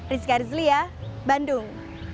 rizka rizliyah bandung